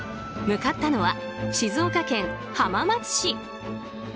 向かったのは、静岡県浜松市。